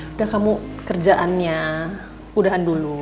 udah kamu kerjaannya udahan dulu